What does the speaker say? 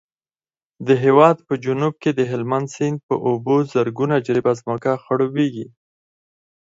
د هېواد په جنوب کې د هلمند سیند په اوبو زرګونه جریبه ځمکه خړوبېږي.